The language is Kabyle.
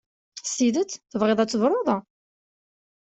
S tidet tebɣiḍ ad tebruḍ?